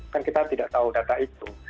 kan kita tidak tahu data itu